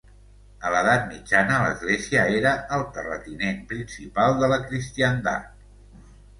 A l'edat mitjana l'església era el terratinent principal de la cristiandat.